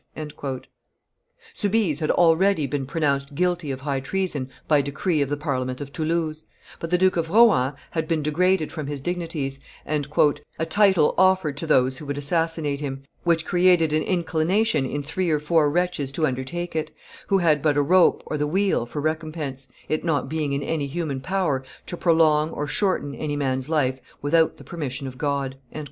Soubise had already been pronounced guilty of high treason by decree of the Parliament of Toulouse; but the Duke of Rohan had been degraded from his dignities, and "a title offered to those who would assassinate him, which created an inclination in three or four wretches to undertake it, who had but a rope or the wheel for recompense, it not being in any human power to prolong or shorten any man's life without the permission of God."